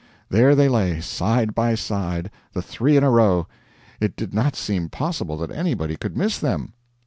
There they lay, side by side, the three in a row. It did not seem possible that anybody could miss them.